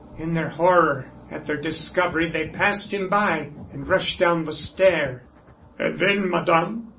In their horror at their discovery they passed him by and rushed down the stair." "And then, Madame?"